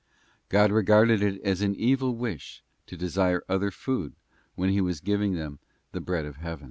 '| God regarded it as an evil wish to desire other food when He was giving them the bread of heaven.